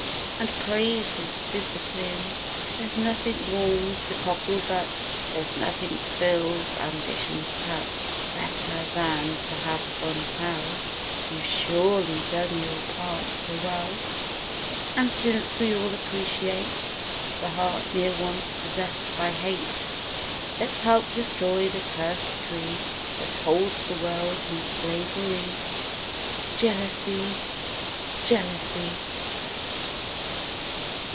And praise his discipline. There's nothing warms the cockles up; There's nothing fills Ambition's cup Better than to have one tell— 207 "You've surely done your part, so well!" And since we all appreciate The heart ne'er once possessed by "Hate," Let's help destroy the cursed tree That holds the world in slavery— "Jealousy!" "Jealousy!"